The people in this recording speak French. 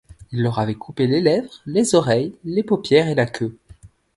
Il leur avait coupé les lèvres, les oreilles, les paupières et la queue.